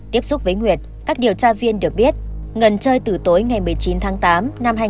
tiếp xúc với nguyệt các điều tra viên được biết ngần chơi từ tối ngày một mươi chín tháng tám năm hai nghìn một mươi